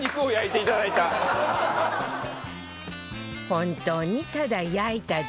本当にただ焼いただけ